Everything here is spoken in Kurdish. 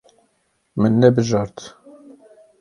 Min nebijart.